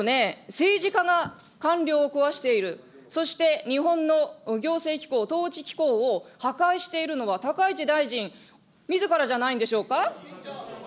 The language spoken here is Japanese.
政治家が官僚を壊している、そして日本の行政機構、統治機構を破壊しているのは高市大臣みずからじゃないんでしょうか。